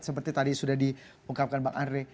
seperti tadi sudah diungkapkan bang andre